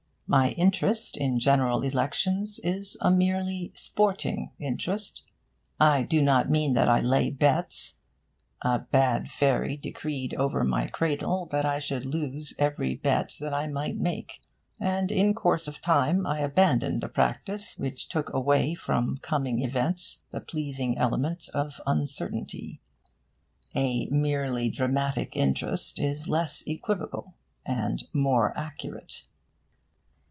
My interest in General Elections is a merely 'sporting' interest. I do not mean that I lay bets. A bad fairy decreed over my cradle that I should lose every bet that I might make; and, in course of time, I abandoned a practice which took away from coming events the pleasing element of uncertainty. 'A merely dramatic interest' is less equivocal, and more accurate.